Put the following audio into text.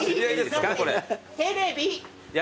テレビ！